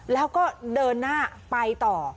แล้วก็เดินหน้าไปต่อ